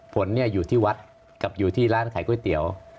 ผลอยู่ที่วัดกับอยู่ที่ร้านขายก๋วยเตี๋ยว